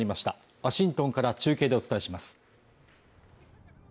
ワシントンから中継でお伝えします